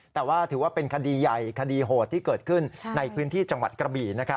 แต่ว่าถือว่าเป็นคดีใหญ่คดีโหดที่เกิดขึ้นในพื้นที่จังหวัดกระบี่